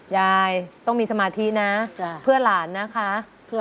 ยายต้องมีสมาธินะเพื่อหลานนะคะ